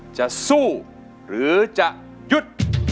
จะสู้หรือจะหยุด